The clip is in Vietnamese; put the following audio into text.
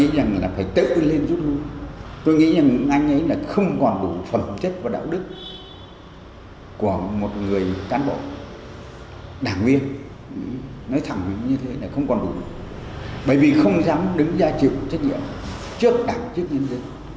đảng viên nói thẳng như thế này không còn đủ bởi vì không dám đứng ra chịu trách nhiệm trước đảng trước nhân dân